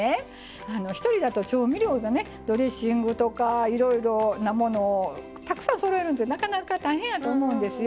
１人だと調味料がねドレッシングとかいろいろなものをたくさんそろえるのってなかなか大変やと思うんですよ。